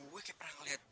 gue kaya pernah ngeliat dia